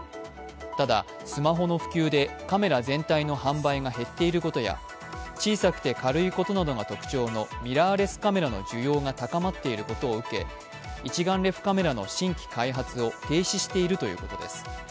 ただスマホの普及でカメラ全体の販売が減っていることや小さくて軽いことなどが特徴のミラーレスカメラの需要が高まっていることを受け、一眼レフカメラの新規開発を停止しているということです。